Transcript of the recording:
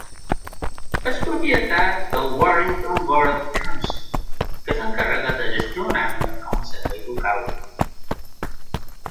És propietat del Warrington Borough Council, que s'encarrega de gestionar-la com a servei local.